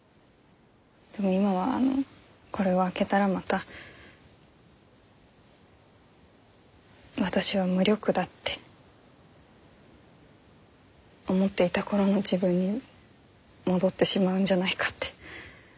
でも今はあのこれを開けたらまた私は無力だって思っていた頃の自分に戻ってしまうんじゃないかって。